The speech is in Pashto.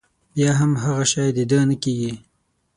بيا هم هغه شی د ده نه کېږي.